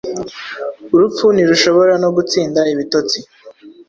urupfuntirushobora no gutsinda ibitotsi